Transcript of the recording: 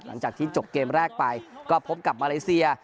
หลังจากที่จบเกมแรกไปก็พบกับมาเลเซีย